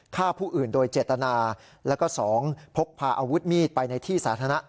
ฆ่าผู้อื่นโดยเจตนาแล้วก็๒พกพาอาวุธมีดไปในที่สาธารณะ